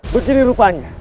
dan gini rupanya